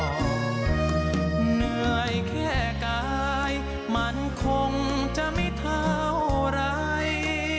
เหนื่อยแค่กายมันคงจะไม่เท่าไร